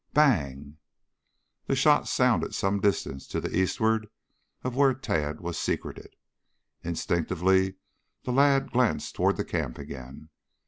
Bang! The shot sounded some distance to the eastward of where Tad was secreted. Instinctively the lad glanced toward the camp again.